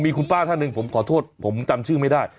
มีคุณป้าท่านหนึ่งผมขอโทษผมจำชื่อไม่ได้